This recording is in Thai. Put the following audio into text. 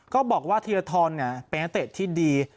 ก็บอกว่าเทียร์ทอนเนี่ยเป็นนักเตะที่ดี